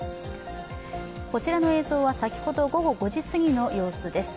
こちらの映像は先ほど午後５時すぎの様子です。